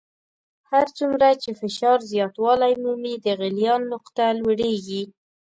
هر څومره چې فشار زیاتوالی مومي د غلیان نقطه لوړیږي.